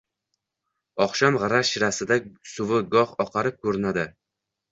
Oqshom g‘ira-shirasida suvi goh oqarib ko‘rinardi.